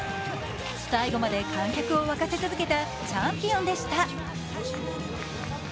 最後まで観客を沸かせ続けたチャンピオンでした。